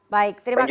baik terima kasih